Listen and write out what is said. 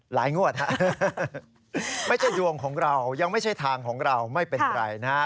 งวดฮะไม่ใช่ดวงของเรายังไม่ใช่ทางของเราไม่เป็นไรนะฮะ